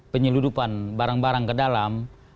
penyeludupan barang barang ke dalam